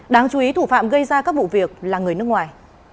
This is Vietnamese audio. đáng chú ý thủ phạm gây ra các vụ việc là người nước ngoài